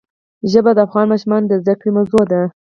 ژبې د افغان ماشومانو د زده کړې موضوع ده.